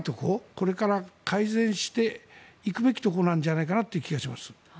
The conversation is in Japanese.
これから改善していくべきところなんじゃないかなという気がします。